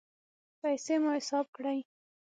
پیسې مو حساب کړئ